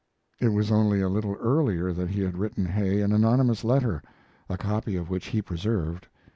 It was only a little earlier that he had written Hay an anonymous letter, a copy of which he preserved.